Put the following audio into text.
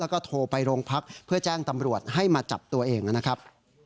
แล้วก็โทรไปโรงพักเพื่อแจ้งตำรวจให้มาจับตัวเองนะครับ